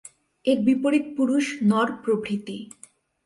এর বিপরীত পুরুষ, নর প্রভৃতি।